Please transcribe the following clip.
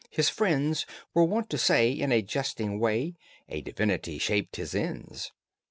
His friends Were wont to say in a jesting way A divinity shaped his ends.